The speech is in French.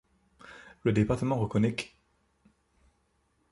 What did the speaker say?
Le Département reconnait qu'.